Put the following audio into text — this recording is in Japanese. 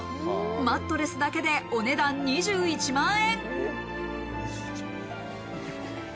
マットレスだけでお値段２１万円。